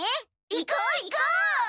行こう行こう！